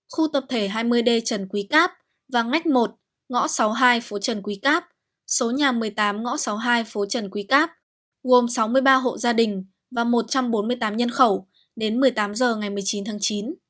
khu tập thể hai mươi d trần quý cáp và ngách một ngõ sáu mươi hai phố trần quý cáp số nhà một mươi tám ngõ sáu mươi hai phố trần quý cáp gồm sáu mươi ba hộ gia đình và một trăm bốn mươi tám nhân khẩu đến một mươi tám h ngày một mươi chín tháng chín